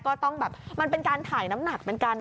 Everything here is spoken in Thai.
ก็ต้องแบบมันเป็นการถ่ายน้ำหนักเหมือนกัน